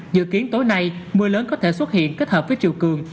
dự kiến tối nay mưa lớn có thể xuất hiện kết hợp với chiều cường